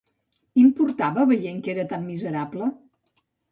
Importava, veient que era tan miserable?